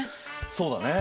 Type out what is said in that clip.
そうだね。